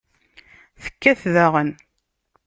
Tekkat daɣen.